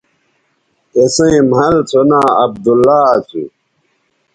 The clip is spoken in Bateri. اِسئیں مَھل سو ناں عبداللہ اسو